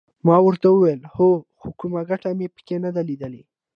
ما ورته وویل هو خو کومه ګټه مې پکې نه ده لیدلې.